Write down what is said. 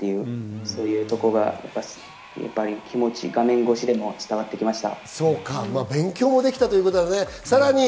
そういうところが、やっぱり画面越しでも伝わってきました。